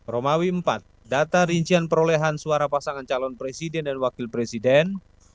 romawi empat data rincian perolehan suara pasangan calon presiden dan wakil presiden